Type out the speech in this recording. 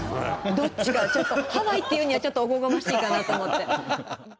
どっちかはちょっとハワイって言うにはちょっとおこがましいかなと思って。